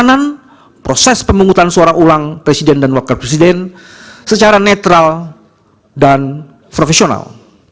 perjalanan proses pemungutan suara ulang presiden dan wakil presiden secara netral dan profesional